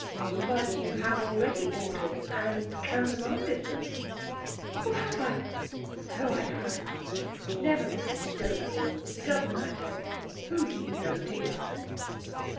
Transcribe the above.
'But you have already ordered and countermanded them.' 'Oh, have I? so I have! Never mind, don't ring. It doesn't matter. Who do you know, dear?'